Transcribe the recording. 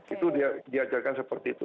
itu diajarkan seperti itu